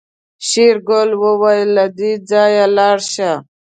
شېرګل وويل له دې ځايه لاړه شه.